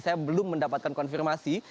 saya belum mendapatkan konfirmasi